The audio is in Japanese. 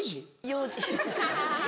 幼児。